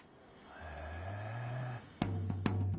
へえ。